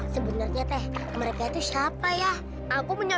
sebenarnya teh mereka campur ya aku punya